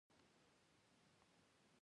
سپوږمۍ کله نیمه، کله پوره، او کله نری هلال وي